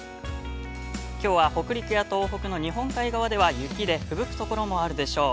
きょうは北陸や東北の日本海側では雪で、ふぶくところもあるでしょう。